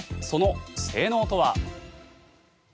その性能とは。